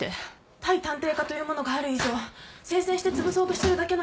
対探偵課というものがある以上先制してつぶそうとしてるだけのように思えるんです。